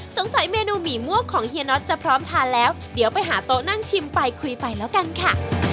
เมนูหมี่ม่วงของเฮียน็อตจะพร้อมทานแล้วเดี๋ยวไปหาโต๊ะนั่งชิมไปคุยไปแล้วกันค่ะ